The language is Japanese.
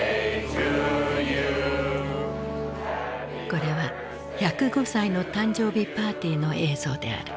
これは１０５歳の誕生日パーティーの映像である。